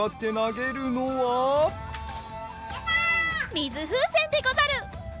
みずふうせんでござる。